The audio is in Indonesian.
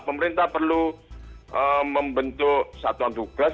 pemerintah perlu membentuk satuan tugas